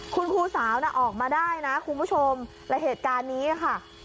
คุณครูสาวออกมาได้นะคุณผู้ชมหรือเหตุการณ์นี้ช่วยกินค่ะ